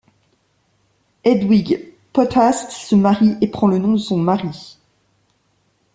Hedwig Potthast se marie et prend le nom de son mari.